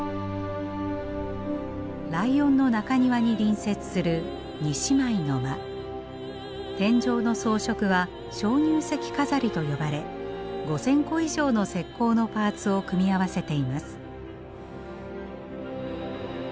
ライオンの中庭に隣接する天井の装飾は鍾乳石飾りと呼ばれ５，０００個以上の石こうのパーツを組み合わせています。